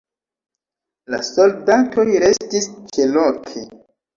La soldatoj restis ĉeloke.